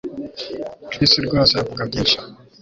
Chris rwose avuga byinshi